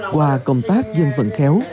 qua công tác dân vận khéo